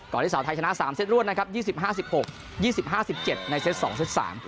ก่อนที่สาวไทยชนะ๓เซตรวนนะครับ๒๐๕๖๒๐๕๗ในเซต๒เซต๓